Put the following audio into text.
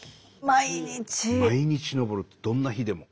毎日登るってどんな日でも。